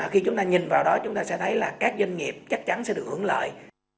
khi chúng ta nhìn vào đó chúng ta sẽ thấy là các doanh nghiệp chắc chắn sẽ được hưởng lợi